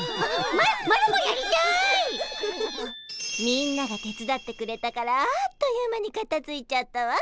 みんなが手伝ってくれたからあっという間にかたづいちゃったわ。